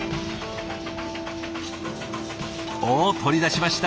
お取り出しました。